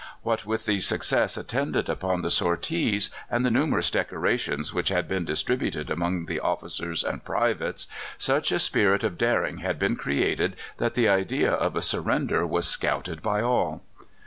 What with the success attendant upon the sorties and the numerous decorations which had been distributed among the officers and privates, such a spirit of daring had been created that the idea of a surrender was scouted by all.